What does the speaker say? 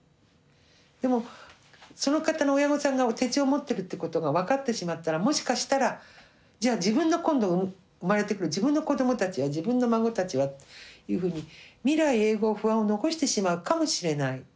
でもその方の親御さんが手帳を持ってるってことが分かってしまったらもしかしたらじゃあ自分の今度生まれてくる自分の子どもたちは自分の孫たちはっていうふうに未来永劫不安を残してしまうかもしれない。